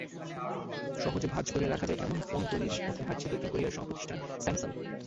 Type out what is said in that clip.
সহজে ভাঁজ করে রাখা যায়—এমন ফোন তৈরির পথে হাঁটছে দক্ষিণ কোরিয়ার প্রতিষ্ঠান স্যামসাং।